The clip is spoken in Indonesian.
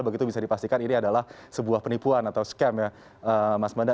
begitu bisa dipastikan ini adalah sebuah penipuan atau scam ya mas manda